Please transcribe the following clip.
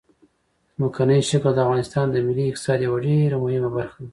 ځمکنی شکل د افغانستان د ملي اقتصاد یوه ډېره مهمه برخه ده.